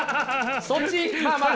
そっちまあまあ。